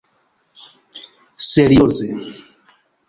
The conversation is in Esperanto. serioze